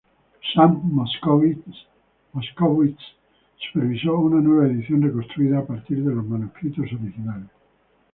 Sam Moskowitz supervisó una nueva edición reconstruida a partir de los manuscritos originales.